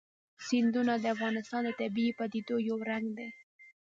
سیندونه د افغانستان د طبیعي پدیدو یو رنګ دی.